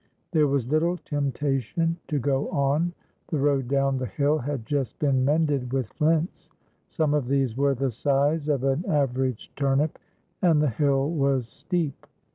There was little temptation to go on. The road down the hill had just been mended with flints; some of these were the size of an average turnip, and the hill was steep.